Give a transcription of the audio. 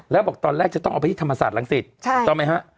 แล้วบอกตอนแรกจะต้องออกไปที่ธรรมศาสตร์ศรังสิทธิ์ใช่